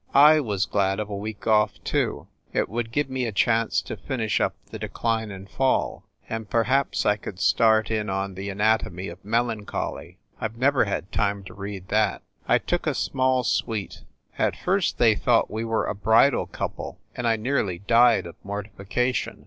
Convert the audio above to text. I was glad of a week off, too it would give me a chance to finish up the "Decline and Fall" and perhaps I could start in on "The An atomy of Melancholy." I ve never had time to read that. I took a small suite. At first they thought we were a bridal couple and I nearly died of mortification.